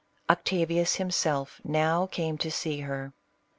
Octavius himself now came to see her.